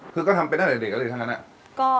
คือก็ทำไปตั้งแต่เด็กแล้วเลยทั้งนั้น